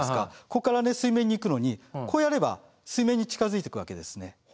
ここから水面に行くのにこうやれば水面に近づいていくわけですね。